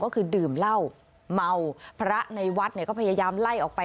ก็คือดื่มเหล้าเมาพระในวัดเนี่ยก็พยายามไล่ออกไป